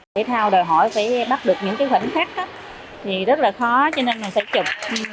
thể thao đòi hỏi phải bắt được những cái khoảnh khắc thì rất là khó cho nên mình sẽ chụp